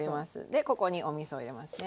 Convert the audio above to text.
でここにおみそを入れますね。